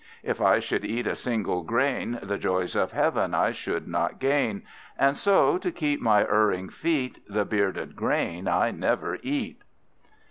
"If I should eat a single grain, The joys of heaven I should not gain. And so, to keep my erring feet, The bearded grain I never eat."